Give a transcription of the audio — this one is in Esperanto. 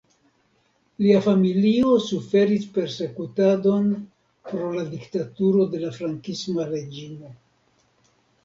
Lia familio suferis persekutadon pro la diktaturo de la frankisma reĝimo.